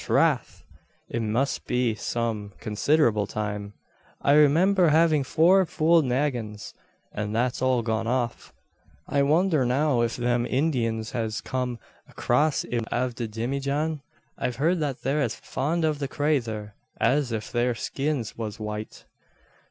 Trath! it must be some considerable time. I remimber having four full naggins, an that's all gone off. I wondher now if them Indyins has come acrass av the dimmyjan? I've heerd that they're as fond of the crayther as if their skins was white.